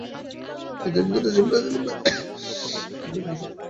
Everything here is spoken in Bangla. তিনি তার জীবদ্দশায় ব্রাজিলের বাইরে বৈশ্বিক স্বীকৃতি পাননি।